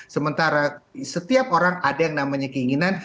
sementara setiap orang ada yang namanya keinginan